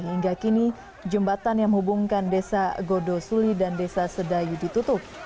hingga kini jembatan yang hubungkan desa godo suli dan desa sedayu ditutup